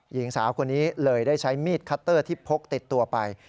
หญิงสาวคนนี้เลยได้ใช้มีดคัตเตอร์ที่พกติดตัวไป